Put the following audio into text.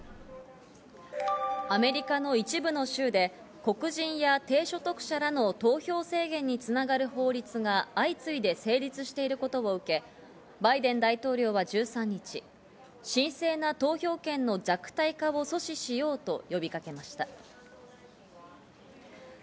アメリカの一部の州で黒人や低所得者らの投票制限につながる法律が相次いで成立していることを受け、バイデン大統領は１３日、神聖な投票権の弱体化を阻止しようと呼びかけました。